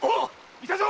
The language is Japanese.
いたぞ！